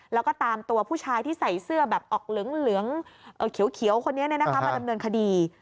แล้วก็ตามตัวผู้ชายที่ใส่เสื้อแบบออกเหลืองเขียวคนนี้มาดำเนินคดี